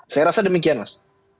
saya rasa demikian mas